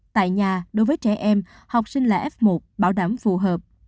tại nhà đối với trẻ em học sinh là f một bảo đảm phù hợp